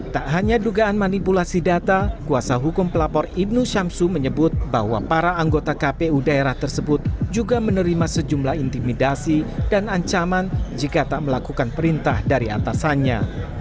tak hanya dugaan manipulasi data kuasa hukum pelapor ibnu syamsu menyebut bahwa para anggota kpu daerah tersebut juga menerima sejumlah intimidasi dan ancaman jika tak melakukan perintah dari atasannya